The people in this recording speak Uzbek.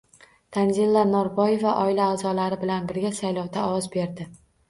Tanzila Norboyeva oila a’zolari bilan birga saylovda ovoz berdi